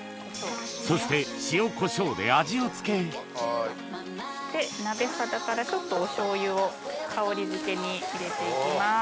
そして塩コショウで味を付け鍋肌からちょっとお醤油を香りづけに入れて行きます。